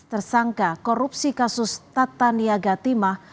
tersangka korupsi kasus tata niaga timah